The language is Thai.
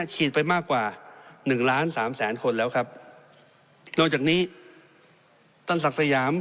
ไปมากกว่าหนึ่งล้านสามแสนคนแล้วครับนอกจากนี้ท่านศักดิ์สยาม